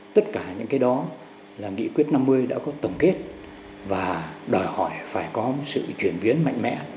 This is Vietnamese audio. tất cả những cái đó là nghị quyết năm mươi đã có tổng kết và đòi hỏi phải có sự chuyển biến mạnh mẽ